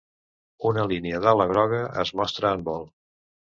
Una línia d'ala groga es mostra en vol.